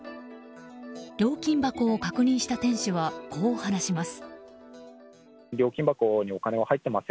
料金箱を確認した店主はこう話します。